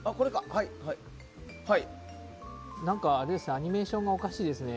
アニメーションがおかしいですね。